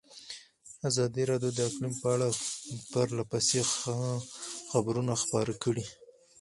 ازادي راډیو د اقلیم په اړه پرله پسې خبرونه خپاره کړي.